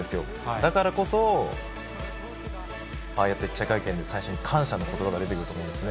だからこそ、ああやって記者会見で、最初に感謝のことばが出てくると思うんですね。